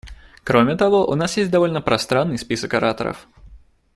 Кроме того, у нас есть довольно пространный список ораторов.